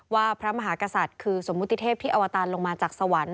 พระมหากษัตริย์คือสมมุติเทพที่อวตารลงมาจากสวรรค์